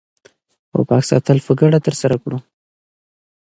او پاک ساتل په ګډه ترسره کړو